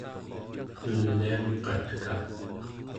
nuliangqatka